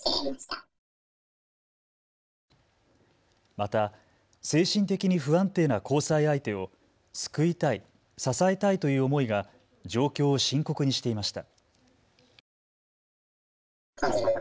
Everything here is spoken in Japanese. また精神的に不安定な交際相手を救いたい、支えたいという思いが状況を深刻にしていました。